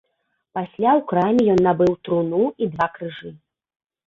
Пасля ў краме ён набыў труну і два крыжы.